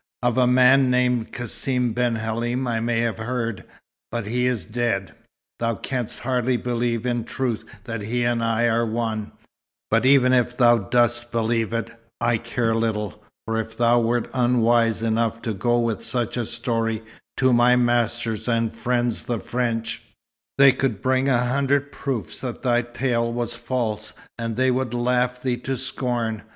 Of a man named Cassim ben Halim I may have heard, but he is dead. Thou canst hardly believe in truth that he and I are one; but even if thou dost believe it, I care little, for if thou wert unwise enough to go with such a story to my masters and friends the French, they could bring a hundred proofs that thy tale was false, and they would laugh thee to scorn.